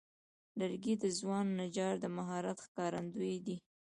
لرګی د ځوان نجار د مهارت ښکارندوی دی.